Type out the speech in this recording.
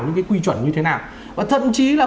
những cái quy chuẩn như thế nào và thậm chí là